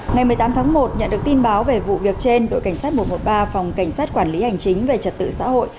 ngày một mươi tám tháng một nhận được tin báo về vụ việc trên đội cảnh sát một trăm một mươi ba phòng cảnh sát quản lý hành chính về trật tự xã hội